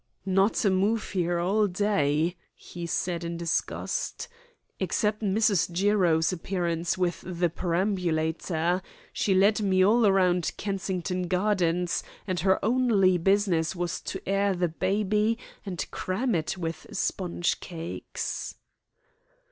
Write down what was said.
"Not a move here all day," he said in disgust, "except Mrs. Jiro's appearance with the perambulator. She led me all round Kensington Gardens, and her only business was to air the baby and cram it with sponge cakes."